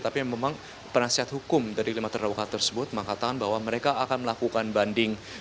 tapi memang penasihat hukum dari lima terdakwa tersebut mengatakan bahwa mereka akan melakukan banding